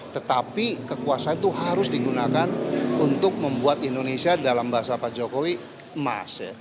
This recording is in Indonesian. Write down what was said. tetapi kekuasaan itu harus digunakan untuk membuat indonesia dalam bahasa pak jokowi emas